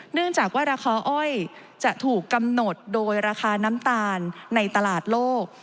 เนื่องจากว่าราคาอ้อยจะถูกกำหนดโดยราคาน้ำตาลในตลาดโลก